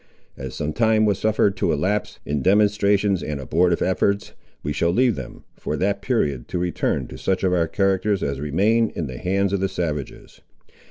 As some time was suffered to elapse, in demonstrations and abortive efforts, we shall leave them, for that period, to return to such of our characters as remained in the hands of the savages.